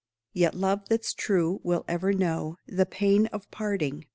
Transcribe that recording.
Yet love that's true will ever know The pain of parting.